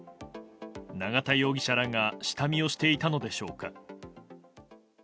永田容疑者らが下見をしていたのでしょうか。